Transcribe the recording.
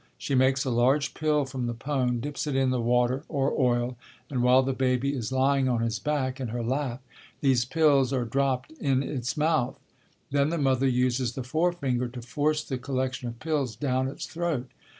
She makes a large pill from the pone, dips it in the water or oil, and while the baby is lying on his back in her lap these pills are dropped in its mouth. Then the mother uses the forefinger to force the collection of pills down its throat.